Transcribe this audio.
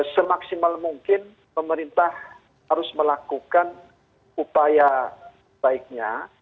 semaksimal mungkin pemerintah harus melakukan upaya baiknya